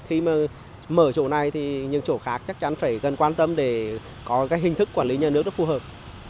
khi mà mở chỗ này thì những chỗ khác chắc chắn phải gần quan tâm để có cái hình thức quản lý nhà nước nó phù hợp